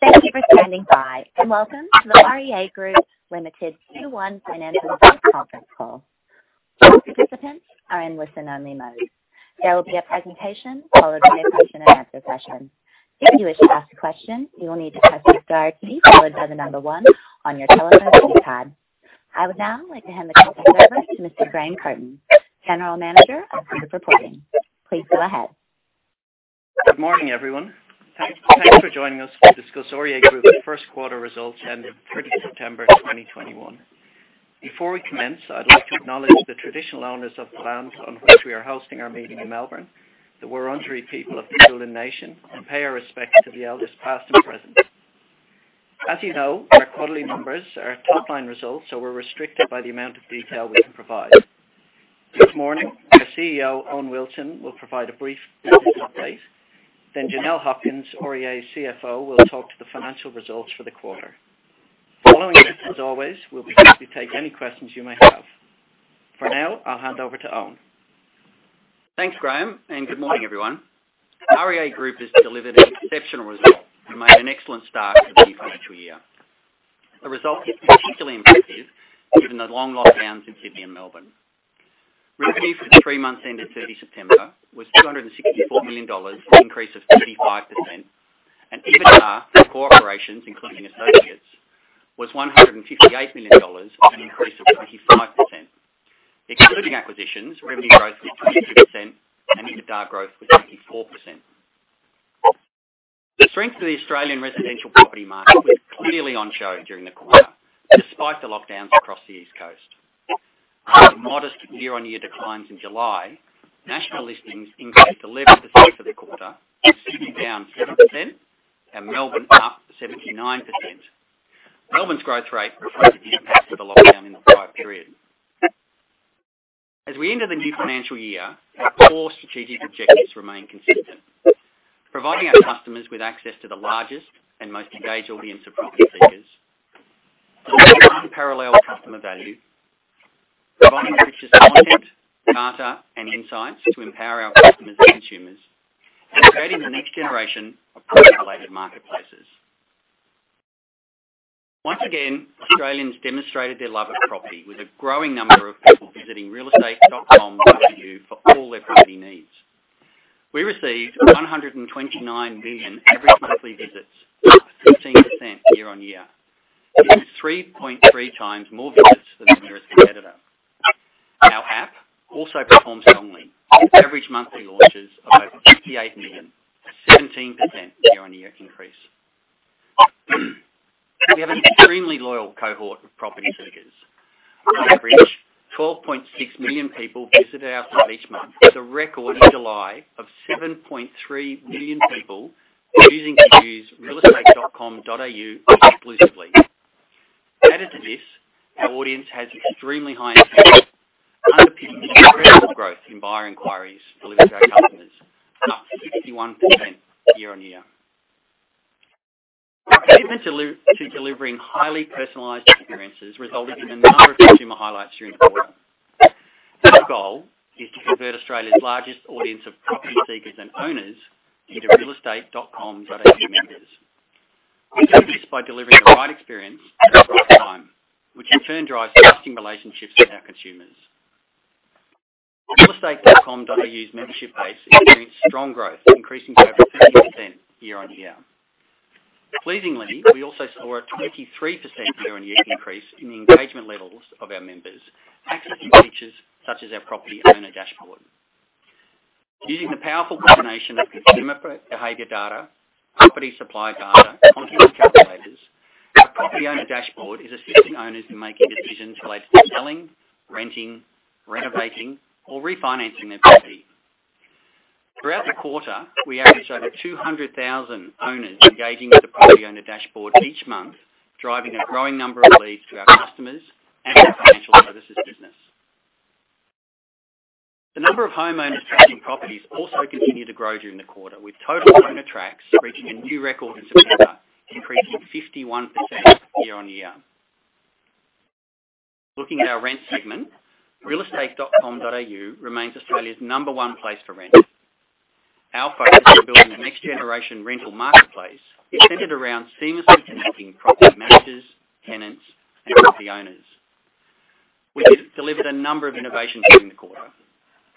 Thank you for standing by, and welcome to the REA Group Limited Q1 financial results conference call. All participants are in listen only mode. There will be a presentation followed by a question and answer session. If you wish to ask a question, you will need to press star key followed by the number one on your telephone keypad. I would now like to hand the conference over to Mr. Graham Curtin, General Manager of Group Reporting. Please go ahead. Good morning, everyone. Thanks for joining us to discuss REA Group's first quarter results ending 30 September 2021. Before we commence, I'd like to acknowledge the traditional owners of the land on which we are hosting our meeting in Melbourne, the Wurundjeri people of the Kulin Nation, and pay our respects to the elders past and present. As you know, our quarterly numbers are top line results, so we're restricted by the amount of detail we can provide. This morning, our CEO, Owen Wilson, will provide a brief business update. Then Janelle Hopkins, REA CFO, will talk to the financial results for the quarter. Following this, as always, we'll be happy to take any questions you may have. For now, I'll hand over to Owen. Thanks, Graham, and good morning everyone. REA Group has delivered an exceptional result and made an excellent start to the new financial year. The result is particularly impressive given the long lockdowns in Sydney and Melbourne. Revenue for the three months ending 30 September was 264 million dollars, an increase of 35%, and EBITDA for corporations, including associates, was 158 million dollars, an increase of 25%. Excluding acquisitions, revenue growth was 22% and EBITDA growth was 24%. The strength of the Australian residential property market was clearly on show during the quarter, despite the lockdowns across the East Coast. After modest year-on-year declines in July, national listings increased 11% for the quarter. Sydney down 7% and Melbourne up 79%. Melbourne's growth rate reflects the impact of the lockdown in the prior period. As we enter the new financial year, our core strategic objectives remain consistent, providing our customers with access to the largest and most engaged audience of property seekers, delivering unparalleled customer value, providing the richest content, data and insights to empower our customers and consumers, and creating the next generation of property related marketplaces. Once again, Australians demonstrated their love of property with a growing number of people visiting realestate.com.au for all their property needs. We received 129 million average monthly visits, up 16% year-over-year. This is 3.3 times more visits than our nearest competitor. Our app also performed strongly, with average monthly launches of over 58 million, a 17% year-over-year increase. We have an extremely loyal cohort of property seekers. On average, 12.6 million people visit our site each month, with a record in July of 7.3 million people choosing to use realestate.com.au exclusively. Added to this, our audience has extremely high intent, underpinning incredible growth in buyer inquiries delivered to our customers, up 61% year-on-year. Our commitment to delivering highly personalized experiences resulted in a number of consumer highlights during the quarter. Our goal is to convert Australia's largest audience of property seekers and owners into realestate.com.au members. We do this by delivering the right experience at the right time, which in turn drives lasting relationships with our consumers. realestate.com.au's membership base experienced strong growth, increasing to over 30% year-on-year. Pleasingly, we also saw a 23% year-on-year increase in the engagement levels of our members accessing features such as our property owner dashboard. Using the powerful combination of consumer behavior data, property supply data, and confidence calculators, our property owner dashboard is assisting owners in making decisions related to selling, renting, renovating or refinancing their property. Throughout the quarter, we averaged over 200,000 owners engaging with the property owner dashboard each month, driving a growing number of leads to our customers and our financial services business. The number of homeowners tracking properties also continued to grow during the quarter, with total owner tracks reaching a new record in September, increasing 51% year-on-year. Looking at our rent segment, realestate.com.au remains Australia's number one place to rent. Our focus on building a next generation rental marketplace is centered around seamlessly connecting property managers, tenants and property owners. We just delivered a number of innovations during the quarter.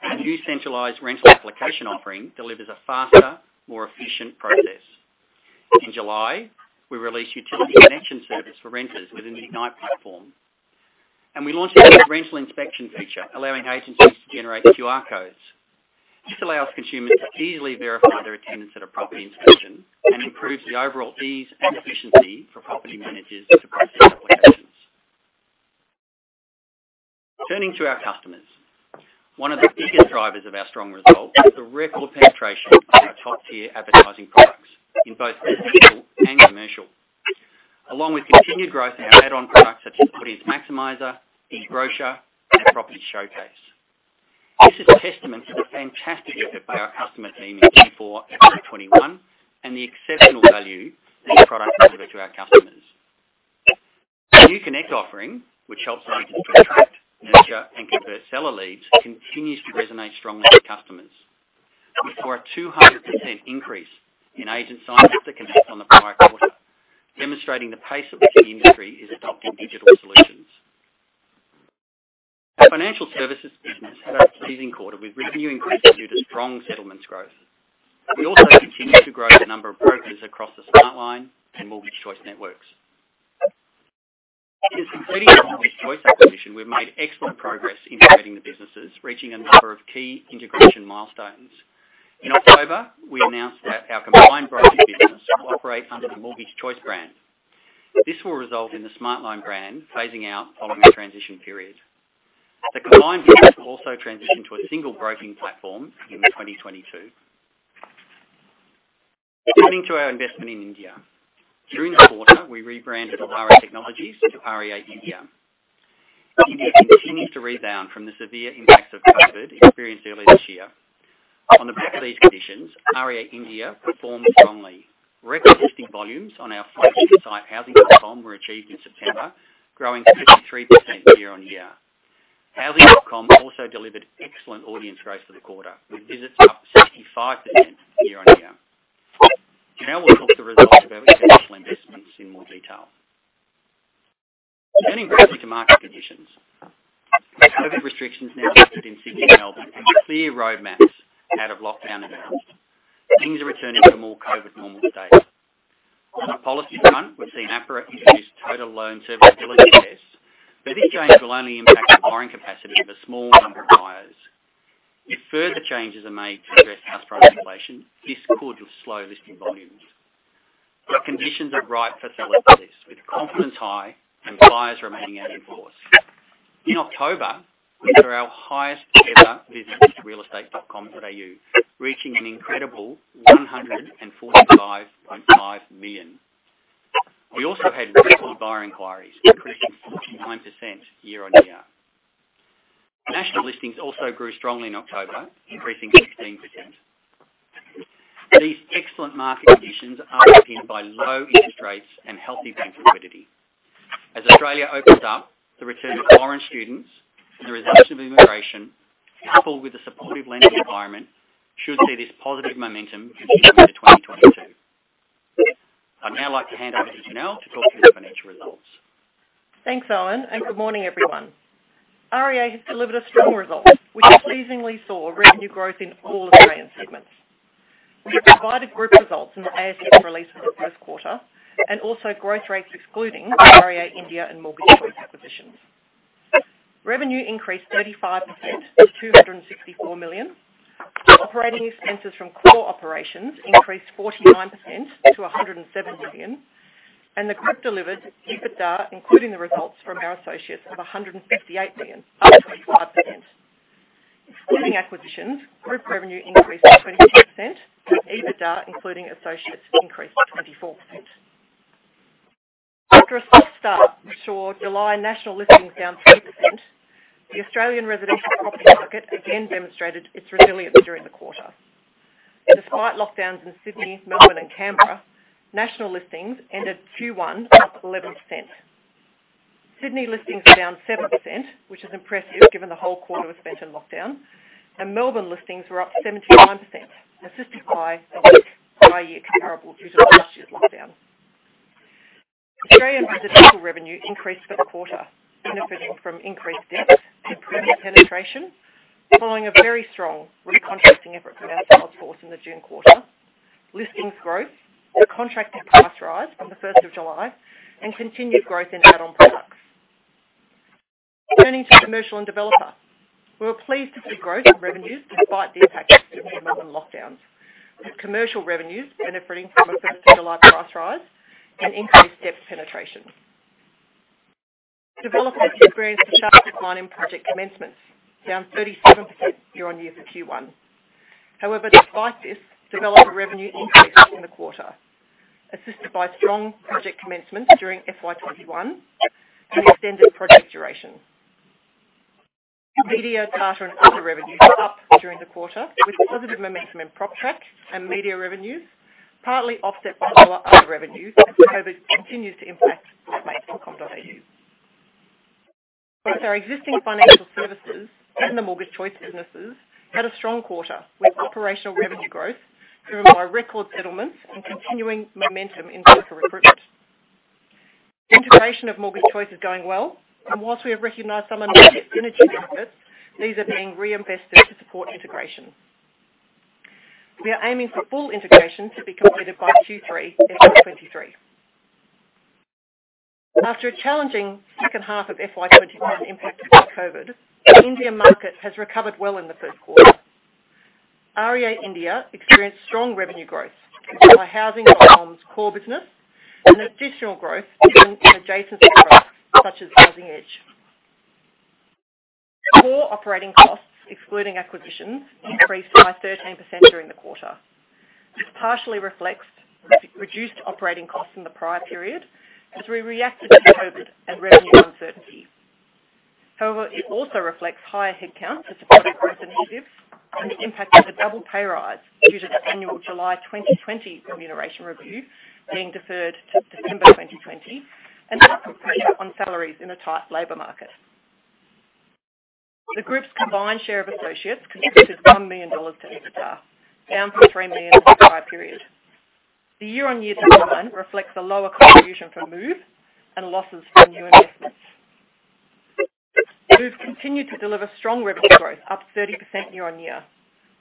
Our new centralized rental application offering delivers a faster, more efficient process. In July, we released utility connection service for renters within the Ignite platform, and we launched a new rental inspection feature, allowing agencies to generate QR codes. This allows consumers to easily verify their attendance at a property inspection and improves the overall ease and efficiency for property managers to process applications. Turning to our customers, one of the biggest drivers of our strong results was the record penetration of our top tier advertising products in both residential and commercial, along with continued growth in our add-on products such as Audience Maximiser, eBrochure, and Property Showcase. This is a testament to the fantastic effort by our customer team in 2024 and 2021, and the exceptional value these products deliver to our customers. Our new Connect offering, which helps agents to attract, nurture, and convert seller leads, continues to resonate strongly with customers. We saw a 200% increase in agent sign-ups to Connect on the prior quarter, demonstrating the pace at which the industry is adopting digital solutions. Our financial services business had a pleasing quarter with revenue increases due to strong settlements growth. We also continued to grow the number of brokers across the Smartline and Mortgage Choice networks. In completing the Mortgage Choice acquisition, we've made excellent progress integrating the businesses, reaching a number of key integration milestones. In October, we announced that our combined broking business will operate under the Mortgage Choice brand. This will result in the Smartline brand phasing out following a transition period. The combined business will also transition to a single broking platform in 2022. Turning to our investment in India. During the quarter, we rebranded Elara Technologies to REA India. India continues to rebound from the severe impacts of COVID experienced earlier this year. On the back of these conditions, REA India performed strongly. Record listing volumes on our flagship site, housing.com, were achieved in September, growing 53% year-on-year. Housing.com also delivered excellent audience growth for the quarter, with visits up 65% year-on-year. Janelle will talk about the results of our international investments in more detail. Turning broadly to market conditions. With COVID restrictions now lifted in Sydney and Melbourne, and clear roadmaps out of lockdown announced, things are returning to a more COVID normal state. On the policy front, we've seen APRA introduce total loan serviceability tests, but these changes will only impact the borrowing capacity of a small number of buyers. If further changes are made to address house price inflation, this could slow listing volumes. The conditions are right for seller to list with confidence high and buyers remaining out in force. In October, we had our highest ever visits to realestate.com.au, reaching an incredible 145.5 million. We also had record buyer inquiries, increasing 49% year-on-year. National listings also grew strongly in October, increasing 16%. These excellent market conditions are underpinned by low interest rates and healthy bank liquidity. As Australia opens up, the return of foreign students and the resumption of immigration, coupled with the supportive lending environment, should see this positive momentum continue into 2022. I'd now like to hand over to Janelle to talk through the financial results. Thanks, Owen, and good morning, everyone. REA has delivered a strong result. We pleasingly saw revenue growth in all of our end segments. We have provided group results in the ASX release for the first quarter and also growth rates excluding REA India and Mortgage Choice acquisitions. Revenue increased 35% to 264 million. Operating expenses from core operations increased 49% to 107 million, and the group delivered EBITDA, including the results from our associates of 158 million, up 25%. Excluding acquisitions, group revenue increased 22%, and EBITDA, including associates, increased 24%. After a soft start which saw July national listings down 3%, the Australian residential property market again demonstrated its resilience during the quarter. Despite lockdowns in Sydney, Melbourne, and Canberra, national listings ended Q1 up 11%. Sydney listings were down 7%, which is impressive given the whole quarter was spent in lockdown, and Melbourne listings were up 79%, assisted by a weak prior year comparable due to last year's lockdown. Australian residential revenue increased for the quarter, benefiting from increased depth and premium penetration, following a very strong recontracting effort from our sales force in the June quarter, listings growth, a contracted price rise on the first of July, and continued growth in add-on products. Turning to commercial and development, we were pleased to see growth in revenues despite the impact of Sydney and Melbourne lockdowns, with commercial revenues benefiting from a 13% like-for-like price rise and increased depth penetration. Development experienced a sharp decline in project commencements, down 37% year-on-year for Q1. However, despite this, developer revenue increased in the quarter, assisted by strong project commencements during FY 2021 and extended project duration. Media, data, and other revenues were up during the quarter, with positive momentum in PropTrack and media revenues, partly offset by lower other revenues as COVID continues to impact realestate.com.au. Both our existing financial services and the Mortgage Choice businesses had a strong quarter, with operational revenue growth driven by record settlements and continuing momentum in broker recruitment. Integration of Mortgage Choice is going well, and whilst we have recognized some immediate synergy benefits, these are being reinvested to support integration. We are aiming for full integration to be completed by Q3 FY 2023. After a challenging second half of FY 2021 impacted by COVID, the Indian market has recovered well in the first quarter. REA India experienced strong revenue growth driven by Housing.com's core business and additional growth driven from adjacent products such as Housing Edge. Core operating costs, excluding acquisitions, increased by 13% during the quarter. This partially reflects reduced operating costs in the prior period as we reacted to COVID and revenue uncertainty. However, it also reflects higher headcounts as a part of growth initiatives and the impact of the double pay rise due to the annual July 2020 remuneration review being deferred to December 2020, and upward pressure on salaries in a tight labor market. The group's combined share of associates constituted 1 million dollars to EBITDA, down from 3 million in the prior period. The year-on-year decline reflects a lower contribution from Move and losses from new investments. Move continued to deliver strong revenue growth, up 30% year-on-year,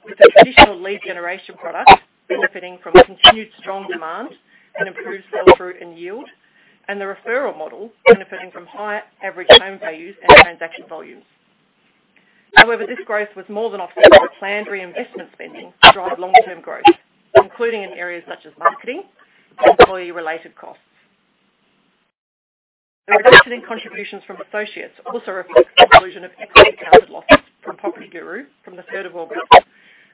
with the traditional lead generation product benefiting from continued strong demand and improved sell-through and yield, and the referral model benefiting from higher average home values and transaction volumes. However, this growth was more than offset by planned reinvestment spending to drive long-term growth, including in areas such as marketing and employee-related costs. The reduction in contributions from associates also reflects the inclusion of equity accounted losses from PropertyGuru from the third of August,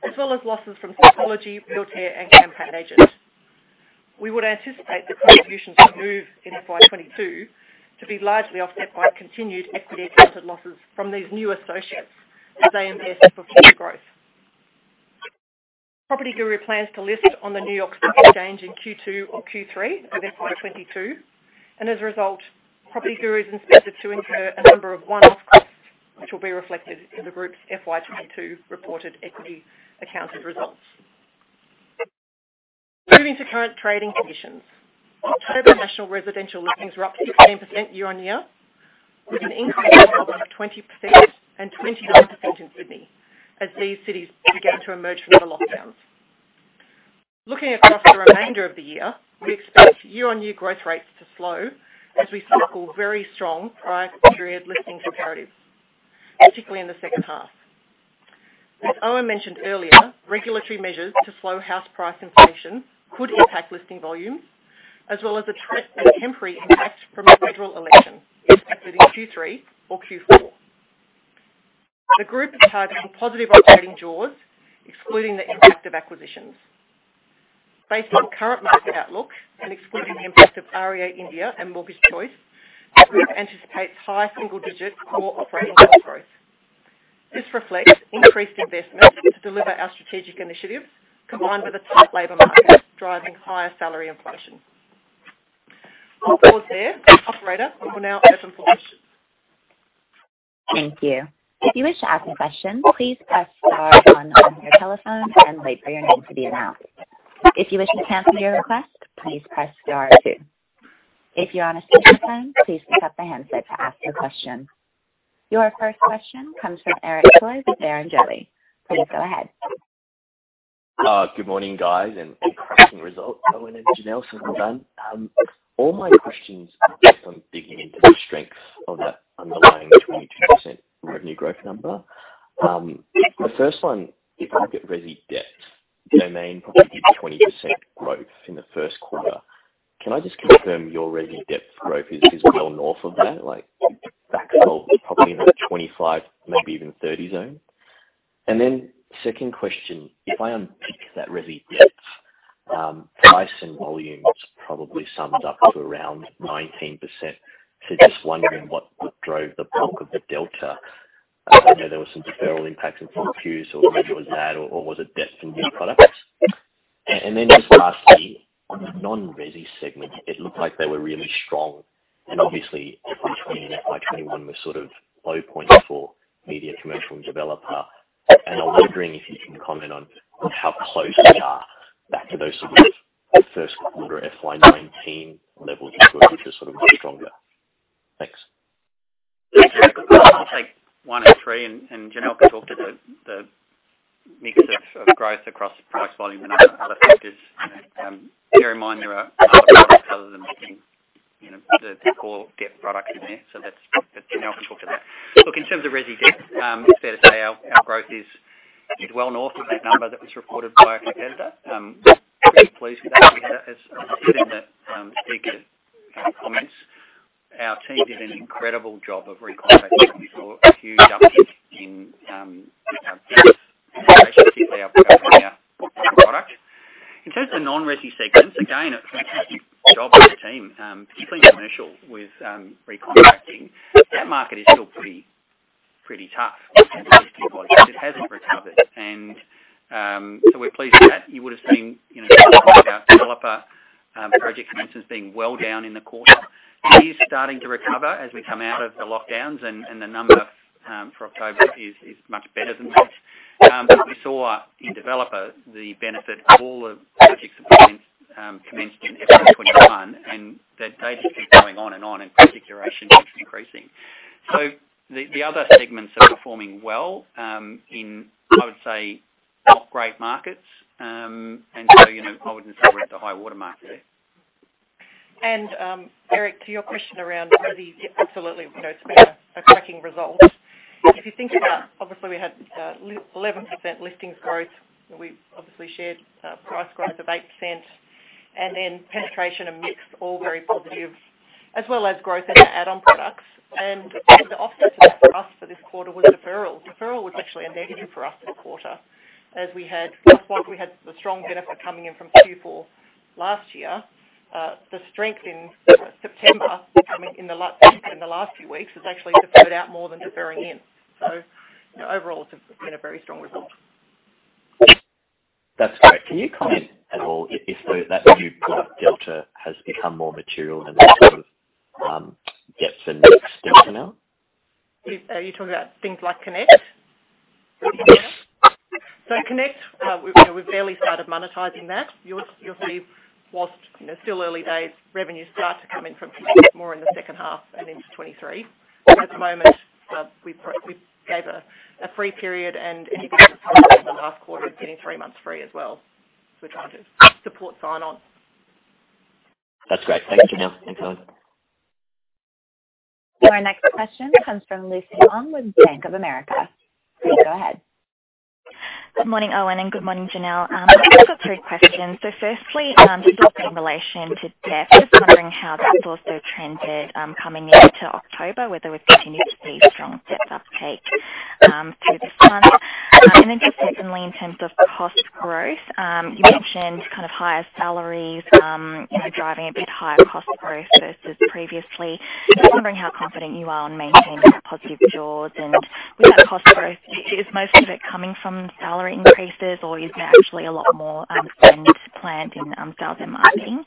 as well as losses from Simpology, Realtair and CampaignAgent. We would anticipate the contribution to Move in FY 2022 to be largely offset by continued equity accounted losses from these new associates as they invest for future growth. PropertyGuru plans to list on the New York Stock Exchange in Q2 or Q3 of FY 2022. As a result, PropertyGuru is expected to incur a number of one-off costs, which will be reflected in the group's FY 2022 reported equity accounted results. Moving to current trading conditions. October national residential listings were up 15% year-on-year, with an increase in Melbourne of 20% and 21% in Sydney as these cities began to emerge from the lockdowns. Looking across the remainder of the year, we expect year-on-year growth rates to slow as we cycle very strong prior period listing comparatives, particularly in the second half. As Owen mentioned earlier, regulatory measures to slow house price inflation could impact listing volumes, as well as a temporary impact from a federal election expected in Q3 or Q4. The group is targeting positive operating jaws, excluding the impact of acquisitions. Based on current market outlook and excluding the impact of REA India and Mortgage Choice, the group anticipates high single digit core operating profit growth. This reflects increased investment to deliver our strategic initiatives, combined with a tight labor market driving higher salary inflation. I'll pause there. Operator, we will now open for questions. Your first question comes from Eric Choi with Barrenjoey. Please go ahead. Good morning, guys, and cracking results, Owen and Janelle, since we're done. All my questions are just on digging into the strength of that underlying 22% revenue growth number. The first one, if I look at resi depth, Domain probably did 20% growth in the first quarter. Can I just confirm your resi depth growth is well north of that, like, back probably in the 25, maybe even 30 zone? And then second question, if I unpick that resi depth, price and volumes probably summed up to around 19%. So just wondering what drove the bulk of the delta. I know there was some deferral impacts in Q4, so maybe it was that, or was it depth in new products? And then just lastly, on the non-resi segments, it looked like they were really strong. Obviously, FY 2020 and FY 2021 were sort of low points for media, commercial, and developer. I'm wondering if you can comment on how close we are back to those sort of first quarter FY 2019 levels of growth, which was sort of much stronger. Thanks. Thanks, Eric. I'll take one and three, and Janelle can talk to the mix of growth across the price, volume and other factors. Bear in mind there are other products other than just in, you know, the core depth products in there. That's Janelle can talk to that. Look, in terms of resi depth, it's fair to say our growth is well north of that number that was reported by a competitor. We're pleased with that. We had, as I said in the speaker comments, our team did an incredible job of recontracting. We saw a huge uptick in our depth, particularly upgrading our product. In terms of non-resi segments, again, a fantastic job by the team, particularly in commercial with recontracting. That market is still pretty tough. It hasn't recovered, so we're pleased with that. You would've seen, you know, our developer project commences being well down in the quarter. It is starting to recover as we come out of the lockdowns and the number for October is much better than that. We saw in developer the benefit of all the projects that commenced in FY 2021, and that they just keep coming on and on, and project duration keeps increasing. The other segments are performing well, I would say, in not great markets. You know, I wouldn't say we're at the high-water mark there. Eric, to your question around resi, absolutely. You know, it's been a cracking result. If you think about, obviously, we had 11% listings growth. We obviously shared price growth of 8%, and then penetration and mix, all very positive, as well as growth in our add-on products. The offset to that for us for this quarter was deferral. Deferral was actually a negative for us this quarter, as we had the strong benefit coming in from Q4 last year. The strength in September coming in the last few weeks has actually deferred out more than deferring in. Overall, it's been a very strong result. That's great. Can you comment at all if that new product delta has become more material than the sort of, gets the next step channel? Are you talking about things like Connect? Yeah. Connect, we've barely started monetizing that. You'll see while, you know, still early days, revenues start to come in from Connect more in the second half and into 2023. But at the moment, we gave a free period, and anybody who signed up in the last quarter is getting three months free as well. We're trying to support sign-ons. That's great. Thank you, Janelle. Thanks a lot. Our next question comes from Lucy Huang with Bank of America. Please go ahead. Good morning, Owen, and good morning, Janelle. I've got three questions. Firstly, just in relation to depth, just wondering how that also trended, coming into October, whether we continue to see strong depth uptake, through this one? Just secondly, in terms of cost growth, you mentioned kind of higher salaries, you know, driving a bit higher cost growth versus previously. Just wondering how confident you are in maintaining that positive jaws. With that cost growth, is most of it coming from salary increases or is there actually a lot more spend planned in sales and marketing?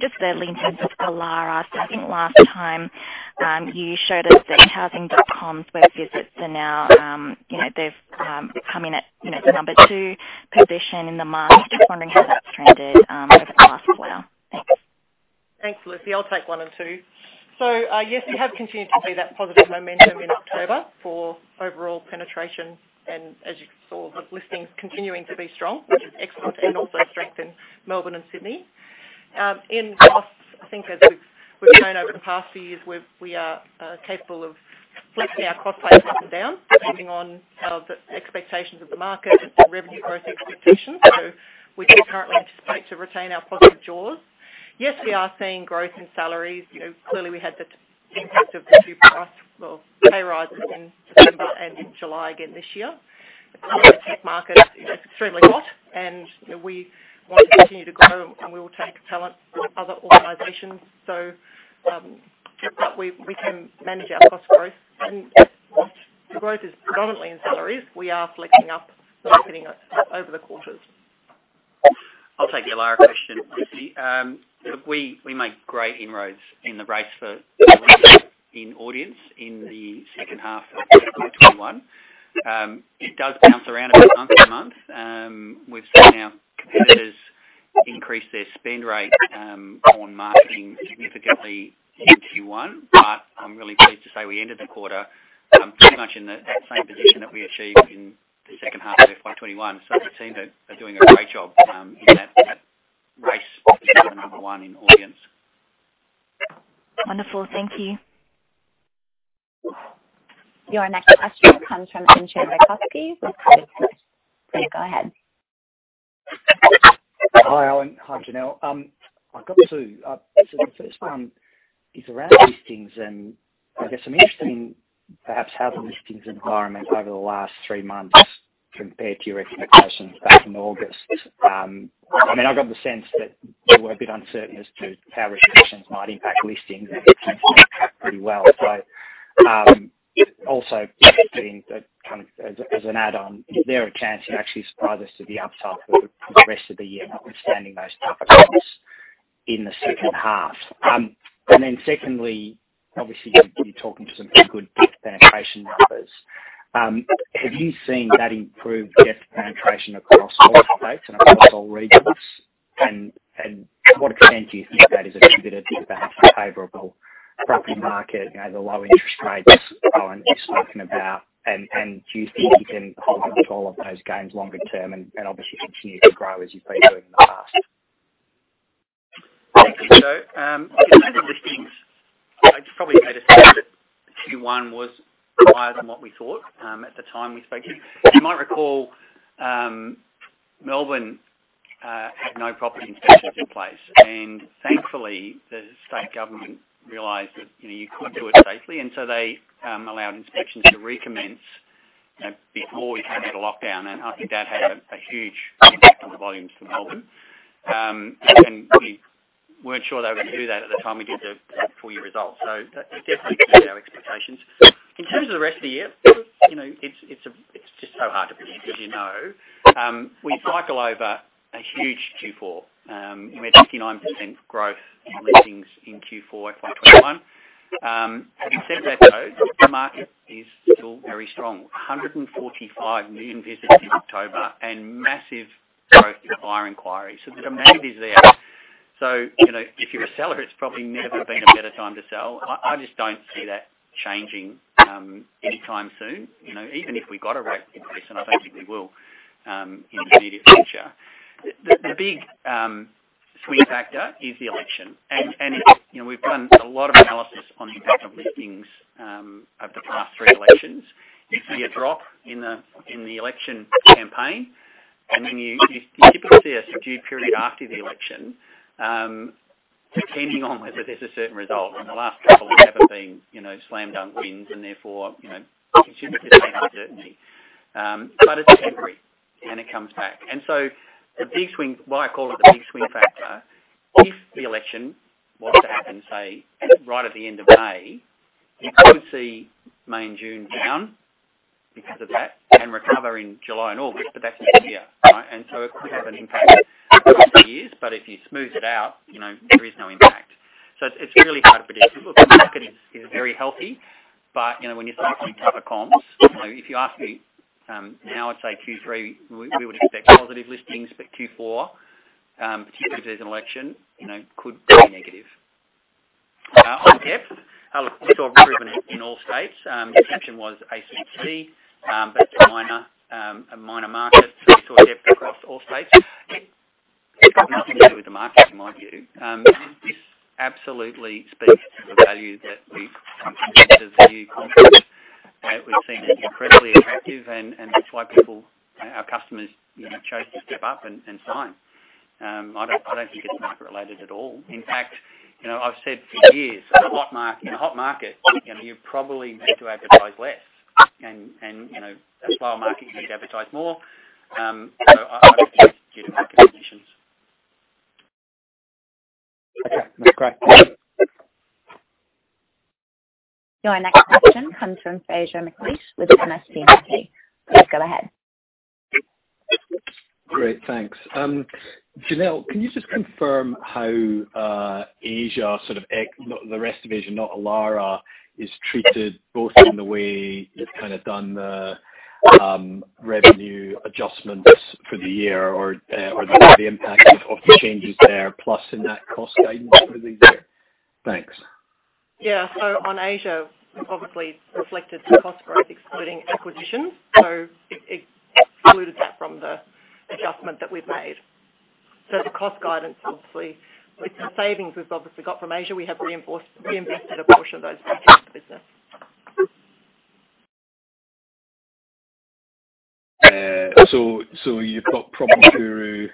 Just thirdly, in terms of Elara, I think last time you showed us that housing.com's web visits are now, you know, they've come in at, you know, the number two position in the market. Just wondering how that's trended over the past quarter. Thanks. Thanks, Lucy. I'll take one and two. Yes, we have continued to see that positive momentum in October for overall penetration. As you saw with listings continuing to be strong, which is excellent and also strength in Melbourne and Sydney. In costs, I think as we've shown over the past few years, we are capable of flexing our cost base up and down depending on how the expectations of the market and the revenue growth expectations. We do currently anticipate to retain our positive jaws. Yes, we are seeing growth in salaries. You know, clearly we had the impact of the pay rises in December and in July again this year. The tech market is extremely hot and, you know, we want to continue to grow and we will take talent from other organizations. We can manage our cost growth. While the growth is predominantly in salaries, we are flexing up, opening up over the quarters. I'll take the Elara question, Lucy. Look, we make great inroads in the race for lead in audience in the second half of FY 2021. It does bounce around a bit month to month. We've seen our competitors increase their spend rate on marketing significantly in Q1. I'm really pleased to say we ended the quarter pretty much in that same position that we achieved in the second half of FY 2021. The team are doing a great job in that race to become the number one in audience. Wonderful. Thank you. Your next question comes from Entcho Raykovski with Credit Suisse. Please go ahead. Hi, Owen. Hi, Janelle. I've got two. The first one is around listings, and I guess I'm interested in perhaps how the listings environment over the last three months compared to your expectations back in August. I mean, I've got the sense that you were a bit uncertain as to how restrictions might impact listings, and it seems to have done pretty well. Also just as an add-on, is there a chance you actually surprise us to the upside for the rest of the year, notwithstanding those tougher comps in the second half? Secondly, obviously you're talking to some pretty good depth penetration numbers. Have you seen that improve depth penetration across all states and across all regions? To what extent do you think that is attributed to the favorable property market, you know, the low interest rates Owen is talking about? Do you think you can hold onto all of those gains longer term and obviously continue to grow as you've been doing in the past? Thank you. In terms of listings, I'd probably made a statement that Q1 was quieter than what we thought, at the time we spoke here. You might recall, Melbourne had no property inspections in place, and thankfully the state government realized that, you know, you could do it safely, and so they allowed inspections to recommence, you know, before we had the lockdown. I think that had a huge impact on the volumes for Melbourne. We weren't sure they were gonna do that at the time we did the full year results. That definitely exceeded our expectations. In terms of the rest of the year, you know, it's just so hard to predict as you know. We cycle over a huge Q4. You know, we had 59% growth in listings in Q4 FY 2021. Having said that though, the market is still very strong. 145 million visits in October and massive growth in buyer inquiries. The demand is there. You know, if you're a seller, it's probably never been a better time to sell. I just don't see that changing anytime soon. You know, even if we got a rate increase, and I don't think we will, in the immediate future. The big swing factor is the election. You know, we've done a lot of analysis on the impact of listings over the past three elections. You see a drop in the election campaign, and then you typically see a subdued period after the election, depending on whether there's a certain result. The last couple haven't been, you know, slam dunk wins and therefore, you know, contributed to the uncertainty. But it's temporary, and it comes back. The big swing, why I call it the big swing factor, if the election was to happen, say, right at the end of May, you could see May and June down because of that and recover in July and August the best year, right? It could have an impact for two years, but if you smooth it out, you know, there is no impact. It's really hard to predict. Look, the market is very healthy, but, you know, when you're talking tough comps, you know, if you ask me, now I'd say Q3, we would expect positive listings, but Q4, particularly if there's an election, you know, could be negative. In depth, look, we saw improvement in all states. Exception was ACT, but it's a minor market. We saw depth across all states. It's got nothing to do with the market, in my view. This absolutely speaks to the value that we present to the new comps. We've seen it incredibly attractive, and that's why people, our customers, you know, chose to step up and sign. I don't think it's market related at all. In fact, you know, I've said for years, in a hot market, you know, you probably need to advertise less. You know, a slow market, you need to advertise more. I don't think it's due to market conditions. Okay. That's great. Your next question comes from Fraser McLeish with MST Marquee. Please go ahead. Great. Thanks. Janelle, can you just confirm how Asia, sort of the rest of Asia, not Elara, is treated both in the way you've kind of done the revenue adjustments for the year or the impact of the changes there, plus in that cost guidance for the year? Thanks. Yeah. On Asia, obviously reflected the cost growth excluding acquisitions. It excluded that from the adjustment that we've made. The cost guidance, obviously with the savings we've obviously got from Asia, we have reinvested a portion of those back into the business. You've got PropertyGuru.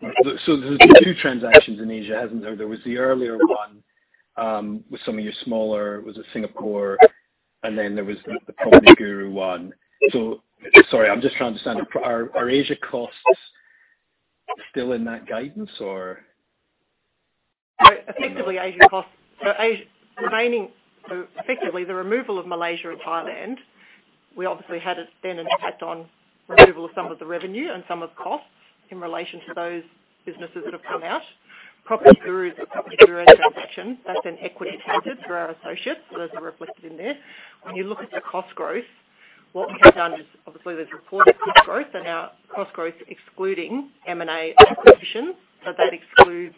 There's been two transactions in Asia, hasn't there? There was the earlier one, with some of your smaller. Was it Singapore? Then there was the PropertyGuru one. Sorry, I'm just trying to understand. Are Asia costs still in that guidance or? Effectively, the removal of Malaysia and Thailand obviously had an impact on removal of some of the revenue and some of the costs in relation to those businesses that have come out. PropertyGuru is a PropertyGuru transaction. That's an equity method through our associates. Those are reflected in there. When you look at the cost growth, what we've done is obviously there's reported cost growth and our cost growth excluding M&A acquisitions. That excludes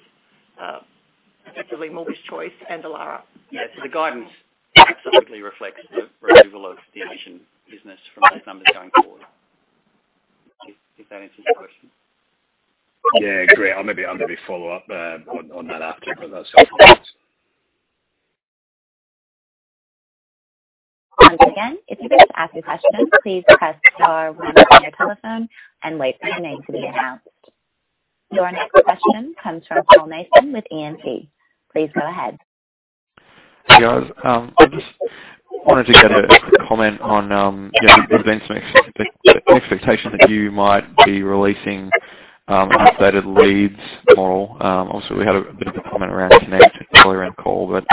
effectively Mortgage Choice and Elara. The guidance absolutely reflects the removal of the Asian business from those numbers going forward. If that answers your question. Yeah, great. I'll maybe follow up on that after, but that's helpful. Again, if you'd like to ask a question, please press star one on your telephone and wait for your name to be announced. Your next question comes from Paul Mason with E&P. Please go ahead. Hey, guys. I just wanted to get a quick comment on, yeah, there's been some expectation that you might be releasing updated leads model. Also we had a bit of a comment around Connect earlier on the call, but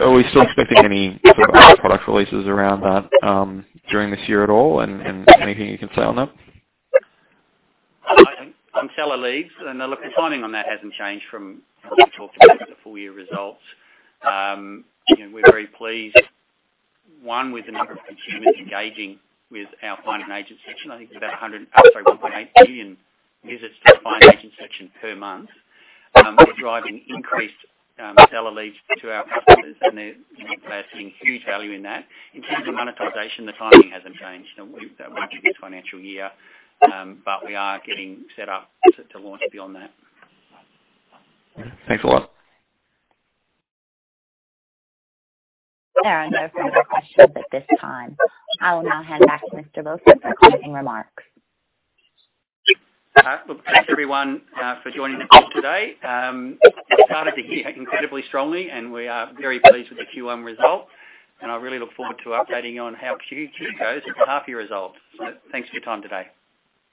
are we still expecting any sort of new product releases around that during this year at all? Anything you can say on that? On seller leads, look, the timing on that hasn't changed from what we talked about with the full-year results. You know, we're very pleased with the number of consumers engaging with our Find an Agent section. I think it's about 1.8 million visits to Find an Agent section per month. We're driving increased seller leads to our customers, and they're, you know, they're seeing huge value in that. In terms of monetization, the timing hasn't changed. Much of the financial year, but we are getting set up to launch beyond that. Thanks a lot. There are no further questions at this time. I will now hand back to Mr. Wilson for closing remarks. Look, thanks everyone for joining the call today. We've started the year incredibly strongly, and we are very pleased with the Q1 results. I really look forward to updating you on how Q2 goes at the half year results. Thanks for your time today.